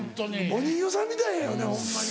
お人形さんみたいやよねホンマに。